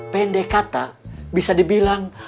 pendek kata bisa dibilang